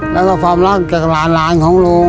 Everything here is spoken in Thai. แล้วก็ความรักจากหลานของลุง